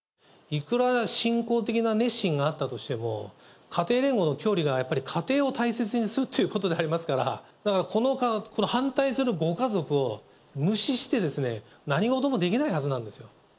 いくら信仰的な熱心があったとしても、家庭連合の教義がやっぱり家庭を大切にするっていうことでありますから、だからこの反対するご家族を無視してですね、何事もできないはずなんですよ。